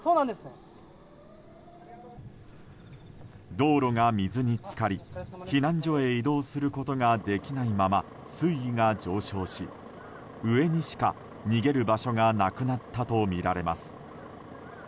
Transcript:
道路が水に浸かり、避難所へ移動することができないまま水位が上昇し上にしか逃げる場所がなくなったとみられます。